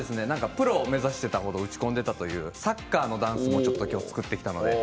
プロを目指していた程打ち込んでいたというサッカーのダンスも作ってきました。